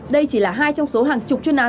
đây chỉ là hai trong số hàng chục chuyên án